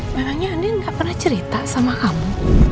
memangnya andi gak pernah cerita sama kamu